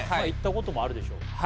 行ったこともあるでしょう